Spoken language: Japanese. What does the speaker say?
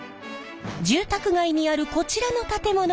住宅街にあるこちらの建物に向かうと。